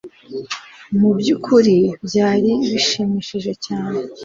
mu byukuri byari bishimishije cyane